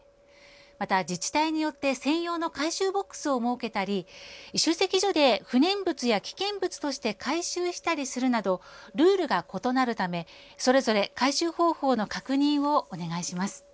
また、自治体によって専用の回収ボックスを設けたり集積所で不燃物や危険物として回収したりするなどルールが異なるため、それぞれ回収方法の確認をお願いします。